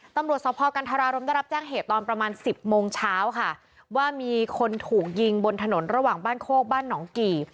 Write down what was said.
ตำรวจสภกันทรารมได้รับแจ้งเหตุตอนประมาณสิบโมงเช้าค่ะว่ามีคนถูกยิงบนถนนระหว่างบ้านโคกบ้านหนองกี่